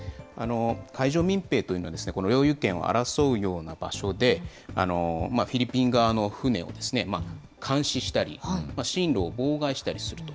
海上民兵というのは、この領有権を争うような場所で、フィリピン側の船を監視したり、進路を妨害したりすると。